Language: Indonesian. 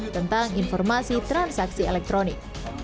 tentang informasi transaksi elektronik